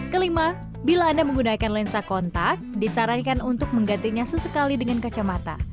kelima bila anda menggunakan lensa kontak disarankan untuk menggantinya sesekali dengan kacamata